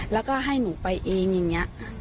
แล้วก็ให้หนูไปเองอย่างนี้